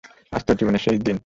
আজ তোর জীবনের শেষ দিন!